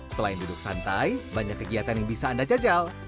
selain duduk santai banyak kegiatan yang bisa anda jajal